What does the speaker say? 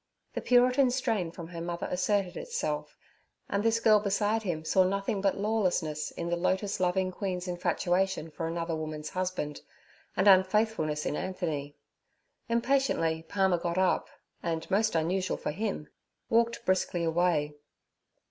The Puritan strain from her mother asserted itself, and this girl beside him saw nothing but lawlessness in the lotus loving queen's infatuation for another woman's husband, and unfaithfulness in Anthony. Impatiently Palmer got up, and, most unusual for him, walked briskly away.